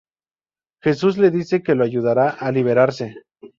Jesús le dice que lo ayudará a liberarse.